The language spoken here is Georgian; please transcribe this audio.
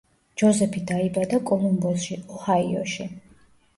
ჯოზეფი დაიბადა კოლუმბუსში, ოჰაიოში.